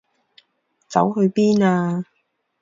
走去邊啊？